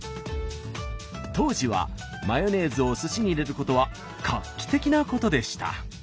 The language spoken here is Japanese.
当時はマヨネーズをすしに入れることは画期的なことでした。